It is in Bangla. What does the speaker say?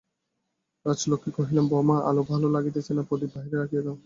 রাজলক্ষ্মী কহিলেন, বউমা, আলো ভালো লাগিতেছে না, প্রদীপ বাহিরে রাখিয়া দাও।